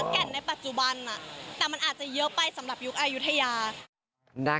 แต่มันอาจจะเยอะไปสำหรับยุคอายุทยา